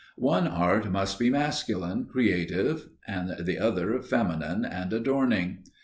One art must be masculine, creative, and the other feminine and adorning.